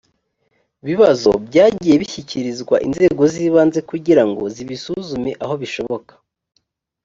bibazo byagiye bishyikirizwa inzego z ibanze kugira ngo zibisuzume aho bishoboka